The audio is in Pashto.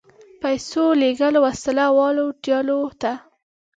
پیسو لېږل وسله والو ډلو ته.